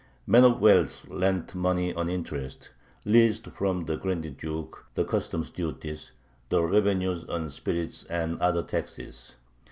Men of wealth lent money on interest, leased from the Grand Duke the customs duties, the revenues on spirits, and other taxes.